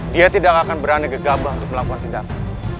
dia tidak akan berani gegabah untuk melakukan tindakan